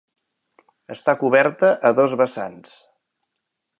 Està coberta a dos vessants.